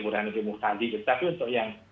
murhanudin muhtadi gitu tapi untuk yang